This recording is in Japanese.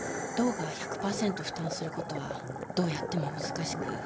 道が１００％負担することはどうやっても難しく。